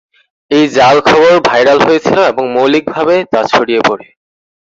এই জাল খবর ভাইরাল হয়েছিল এবং মৌলিকভাবে ছড়িয়ে পরে।